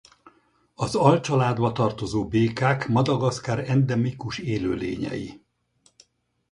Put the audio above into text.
Az alcsaládba tartozó békák Madagaszkár endemikus élőlényei.